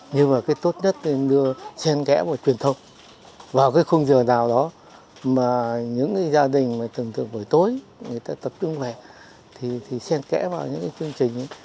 nhưng mà cái tốt nhất là đưa sen kẽ vào truyền thông vào cái khung giờ nào đó mà những gia đình mà thường thường buổi tối người ta tập trung về thì sen kẽ vào những chương trình